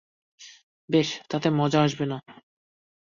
বেশ, তাতে মজা আসবে না।